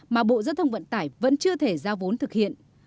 mà bộ giao thông vận tải vẫn chưa thể giao vốn thực hiện